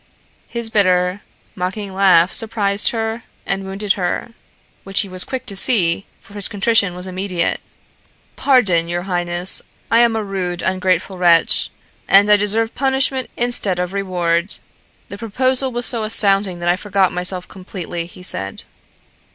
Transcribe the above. His bitter, mocking laugh surprised and wounded her, which he was quick to see, for his contrition was immediate. "Pardon, your highness. I am a rude, ungrateful wretch, and I deserve punishment instead of reward. The proposal was so astounding that I forgot myself completely," he said.